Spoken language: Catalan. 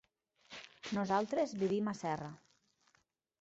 Nosaltres vivim a Serra.